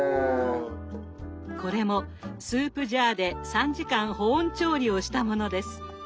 これもスープジャーで３時間保温調理をしたものです。